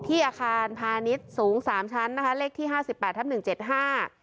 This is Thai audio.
อาคารพาณิชย์สูงสามชั้นนะคะเลขที่ห้าสิบแปดทับหนึ่งเจ็ดห้า